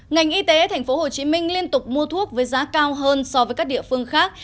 ngành y tế tp hcm liên tục mua thuốc với giá cao hơn so với các địa phương khác